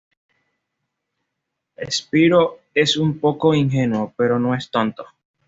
Spyro es un poco ingenuo, pero no es tonto.